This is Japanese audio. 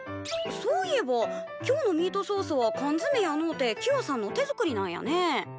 そういえば今日のミートソースはかんづめやのうてキヨさんの手作りなんやね。